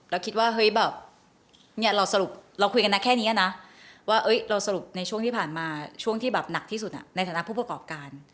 เราคุยแค่นี้นะในช่วงที่ผ่านมาช่วงที่หนักที่สุดในฐานะผู้ประกอบการ